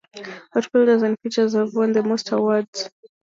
Outfielders and Pitchers have won the most awards.